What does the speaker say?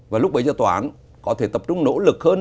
và lúc bấy giờ tòa án có thể tập trung nỗ lực hơn